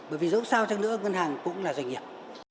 bởi vì dẫu sao chẳng nữa ngân hàng cũng là doanh nghiệp